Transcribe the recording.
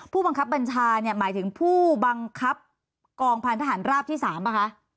ผู้บังคับบัญชาเนี่ยหมายถึงผู้บังคับกองพันธหารราบที่๓ป่ะคะ